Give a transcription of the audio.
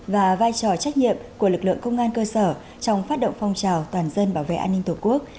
và vai trò trách nhiệm của lực lượng công an cơ sở trong phát động phong trào toàn dân bảo vệ an ninh tổ quốc